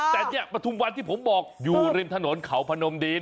แต่เนี่ยประทุมวันที่ผมบอกอยู่ริมถนนเขาพนมดิน